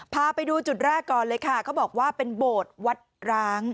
พาไปดูจุดแรกก่อนเลยค่ะเขาบอกว่าเป็นโบสถ์วัดร้าง